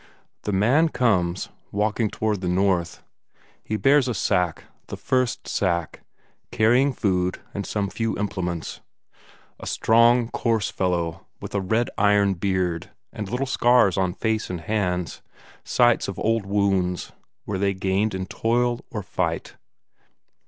The man comes, walking toward the north. He bears a sack, the first sack, carrying food and some few implements. A strong, coarse fellow, with a red iron beard, and little scars on face and hands; sites of old wounds were they gained in toil or fight?